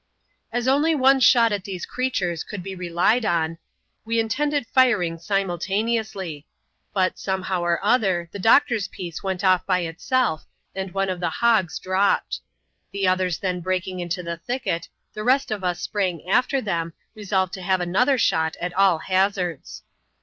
As only one shot at these creatures could be relied on, we intended firing simultaneously ; but, somehow^ or other, the doctor's piece went off by itself, and one of the hogs dropped. The others then breaking into the thicket, the rest of us sprang after them, resolved to have another shot at all hazards.